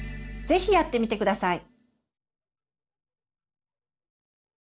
是非やってみて下さい。